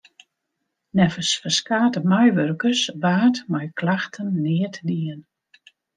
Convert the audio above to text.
Neffens ferskate meiwurkers waard mei klachten neat dien.